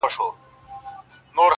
زه له خپلي ډيري ميني ورته وايم~